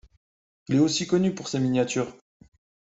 Il est aussi connu pour ses miniatures.